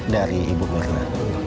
dari ibu mirna